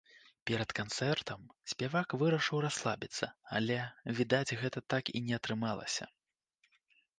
Перад канцэртам спявак вырашыў расслабіцца, але, відаць, гэта так і не атрымалася.